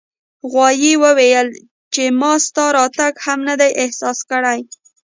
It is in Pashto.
غوایي وویل چې ما ستا راتګ هم نه دی احساس کړی.